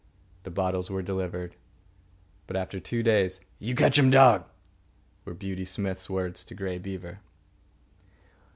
The bottles were delivered, but after two days. "You ketch um dog," were Beauty Smith's words to Grey Beaver.